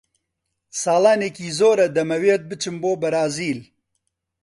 ساڵانێکی زۆرە دەمەوێت بچم بۆ بەرازیل.